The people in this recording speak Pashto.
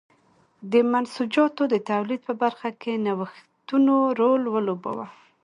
د منسوجاتو د تولید په برخه کې نوښتونو رول ولوباوه.